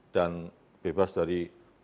dan bebas dari